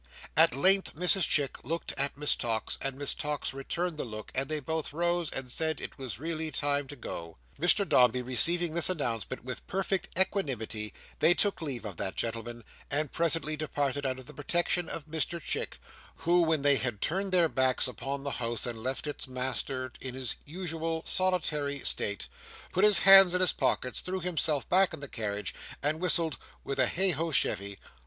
At length Mrs Chick looked at Miss Tox, and Miss Tox returned the look, and they both rose and said it was really time to go. Mr Dombey receiving this announcement with perfect equanimity, they took leave of that gentleman, and presently departed under the protection of Mr Chick; who, when they had turned their backs upon the house and left its master in his usual solitary state, put his hands in his pockets, threw himself back in the carriage, and whistled "With a hey ho chevy!"